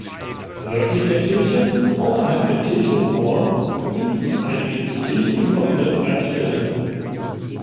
Nördlich der Kirche, außerhalb der Kirchhofmauer befinden sich einige zur Kirche gehörende Pferdeställe.